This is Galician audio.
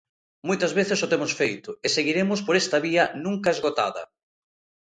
Moitas veces o temos feito, e seguiremos por esta vía nunca esgotada.